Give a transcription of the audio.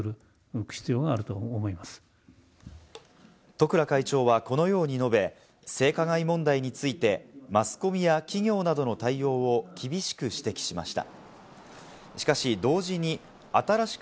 十倉会長はこのように述べ、性加害問題についてマスコミや企業などの対応を厳しく指摘しました。